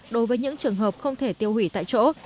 đối với những trường hợp không thể tiêu hủy tại chỗ